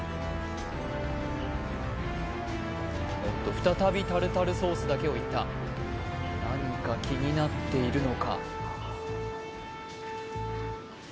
おっと再びタルタルソースだけをいった何か気になっているのか？